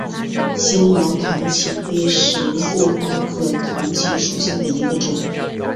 星毛糖芥为十字花科糖芥属下的一个种。